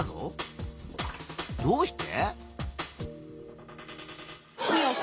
どうして？